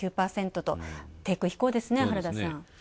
２．９％と低空飛行ですね原田さん。